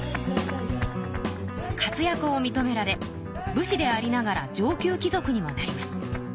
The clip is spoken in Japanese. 活やくをみとめられ武士でありながら上級貴族にもなります。